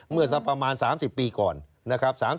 สักประมาณ๓๐ปีก่อนนะครับ